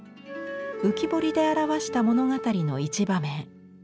浮き彫りで表した物語の一場面。